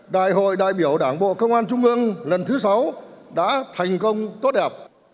đại hội đại biểu đảng bộ công an trung ương lần thứ sáu đã thành công tốt đẹp